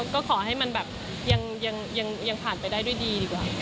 ก็ขอให้มันแบบยังผ่านไปได้ด้วยดีดีกว่า